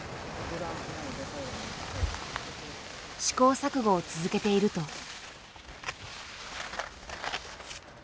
試行錯誤を続けていると。